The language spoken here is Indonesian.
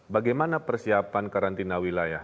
bagaimana persiapan karantina wilayah